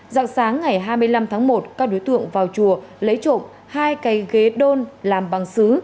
giặc sáng ngày hai mươi năm tháng một các đối tượng vào chùa lấy trộm hai cây ghế đôn làm băng xứ